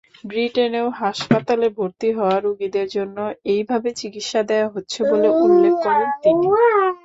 ব্রিটেনেও হাসপাতালে ভর্তি হওয়া রোগীদের জন্য এভাবেই চিকিৎসা দেয়া হচ্ছে বলে উল্লেখ করেন তিনি।